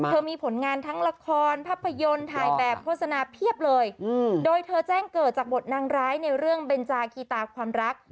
มีผลงานทั้งละครภาพยนตร์ถ่ายแบบโฆษณาเพียบเลยโดยเธอแจ้งเกิดจากบทนางร้ายในเรื่องเบนจาคีตาความรัก